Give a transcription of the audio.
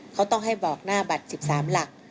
เขาต้องให้บอกหน้าบัตร๑๓หลัก